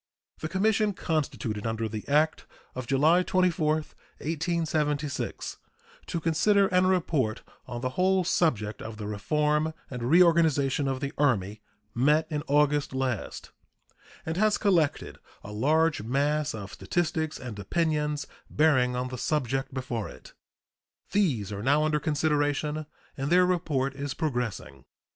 The commission constituted under the act of July 24, 1876, to consider and report on the "whole subject of the reform and reorganization of the Army" met in August last, and has collected a large mass of statistics and opinions bearing on the subject before it. These are now under consideration, and their report is progressing.